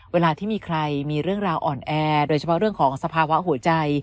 เวลาที่มีใครมีเรื่องราวอ่อนแอโดยเฉพาะเรื่องของสภาวะหัวใจ